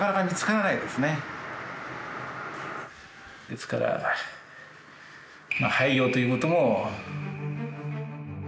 ですからまあ廃業ということも。